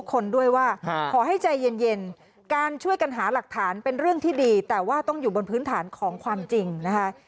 คนด้วยว่าขอให้ใจเย็นการช่วยกันหาหลักฐานเป็นเรื่องที่ดีแต่ว่าต้องอยู่บนพื้นฐานของความจริงนะคะ